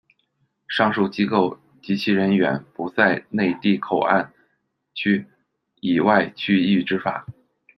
上述机构及其人员不在内地口岸区以外区域执法。